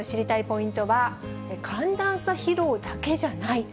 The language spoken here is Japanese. ポイントは、寒暖差疲労だけじゃない。